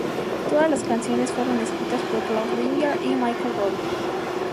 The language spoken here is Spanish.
Todas las canciones fueron escritas por Klaus Dinger y Michael Rother.